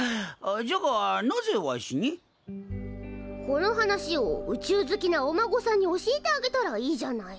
この話を宇宙好きなお孫さんに教えてあげたらいいじゃない。